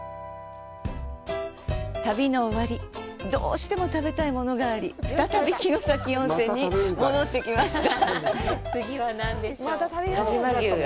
旅の終わり、どうしても食べたいものがあり再び城崎温泉に戻ってきました。